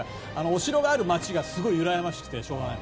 お城がある街がすごくうらやましくてしょうがない。